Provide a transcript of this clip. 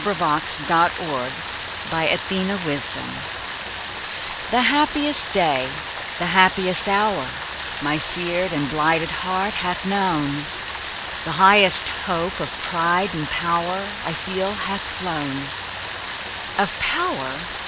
Edgar Allan Poe The Happiest Day THE happiest day the happiest hour My seared and blighted heart hath known, The highest hope of pride and power, I feel hath flown. Of power!